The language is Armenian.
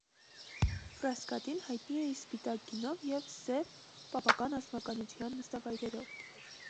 Ֆրասկատին հայտնի է իր սպիտակ գինով և սև (պապական) ազնվականության նստավայրերով։